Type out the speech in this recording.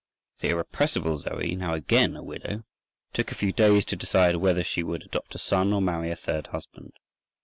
The irrepressible Zoe, now again a widow, took a few days to decide whether she would adopt a son, or marry a third husband.